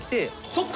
そっか！